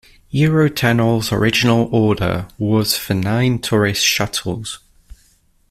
Eurotunnel's original order was for nine tourist shuttles.